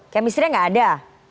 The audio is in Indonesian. kemistrinya nggak ada